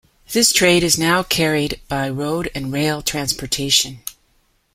This trade is now carried by road and rail transportation.